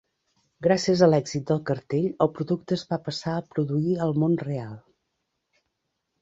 Gràcies a l'èxit del cartell, el producte es va passar a produir al món real.